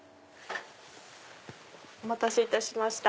お待たせいたしました。